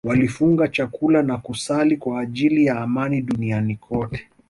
Walifunga chakula na kusali kwa ajili ya amani duniani kote